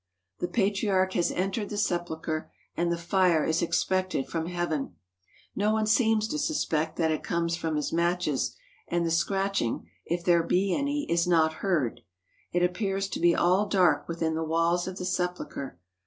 The Patriarch has entered the Sepulchre, and the fire is expected from heaven. No one seems to suspect that it comes from his matches, and the scratching, if there be any, is not heard. It appears to be all dark within the walls of the Sepulchre.